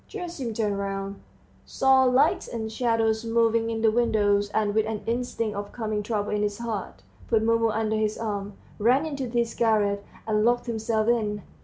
Gerasim turned round, saw lights and shadows moving in the windows, and with an instinct of coming trouble in his heart, put Mumu under his arm, ran into his garret, and locked himself in.